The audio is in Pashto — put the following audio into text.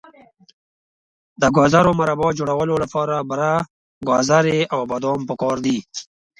د ګازرو مربا جوړولو لپاره بوره، ګازرې او بادام پکار دي.